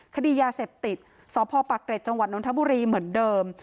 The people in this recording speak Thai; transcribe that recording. คดียาเสพติดสพปะเกร็จจังหวัดนทบุรีเหมือนเดิม